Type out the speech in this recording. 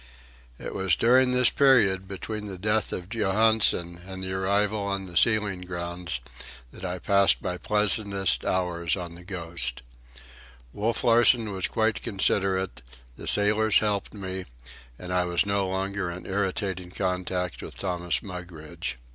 It was during this period, between the death of Johansen and the arrival on the sealing grounds, that I passed my pleasantest hours on the Ghost. Wolf Larsen was quite considerate, the sailors helped me, and I was no longer in irritating contact with Thomas Mugridge.